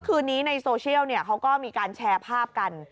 คืนนี้ในโซเชียลเขาก็มีการแชร์ภาพกัน